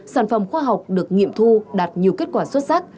sản phẩm khoa học được nghiệm thu đạt nhiều kết quả xuất sắc